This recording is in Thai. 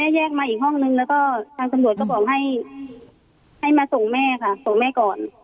แล้วก็ทางตำรวจก็บอกให้มาส่งแม่ค่ะส่งแม่ก่อน